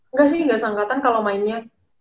nggak sih gak seangkatan kalo mainnya